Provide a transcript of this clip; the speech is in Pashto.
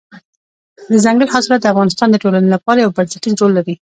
دځنګل حاصلات د افغانستان د ټولنې لپاره یو بنسټيز رول لري.